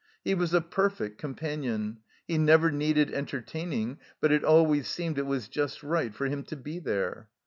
He was a perfect companion ;" he never needed entertaining, but it always seemed it was just right for him to be there."